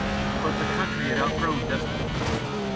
But the country had outgrown despotism.